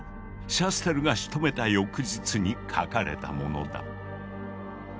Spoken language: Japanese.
シャステルがしとめた翌日に書かれたものだ。